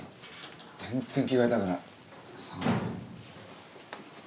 全然着替えたくない寒くて。